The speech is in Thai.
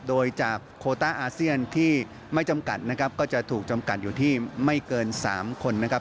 โดยจากโคต้าอาเซียนที่ไม่จำกัดนะครับก็จะถูกจำกัดอยู่ที่ไม่เกิน๓คนนะครับ